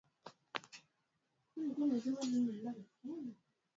Aliongeza kuwa askari hao ndio watakuwa wapiganajimeli maarufu duniani zina visa mbalimbali